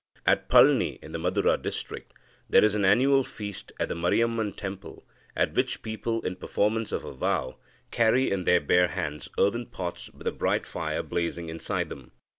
At Palni in the Madura district, there is an annual feast at the Mariamman temple, at which people, in performance of a vow, carry in their bare hands earthen pots with a bright fire blazing inside them.